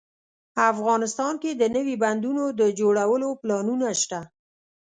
افغانستان کې د نوي بندونو د جوړولو پلانونه شته